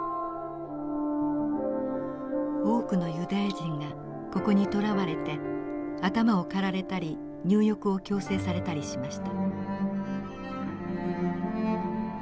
多くのユダヤ人がここに捕らわれて頭を刈られたり入浴を強制されたりしました。